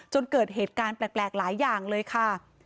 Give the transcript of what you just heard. เกิดเหตุการณ์แปลกหลายอย่างเลยค่ะ